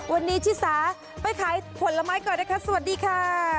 วันนี้ชิสาไปขายผลไม้ก่อนนะคะสวัสดีค่ะ